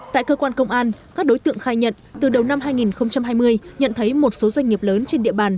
tại cơ quan công an các đối tượng khai nhận từ đầu năm hai nghìn hai mươi nhận thấy một số doanh nghiệp lớn trên địa bàn